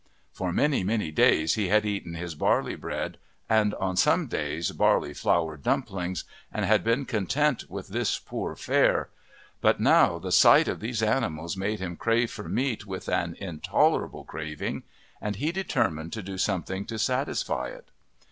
For many many days he had eaten his barley bread, and on some days barley flour dumplings, and had been content with this poor fare; but now the sight of these animals made him crave for meat with an intolerable craving, and he determined to do something to satisfy it.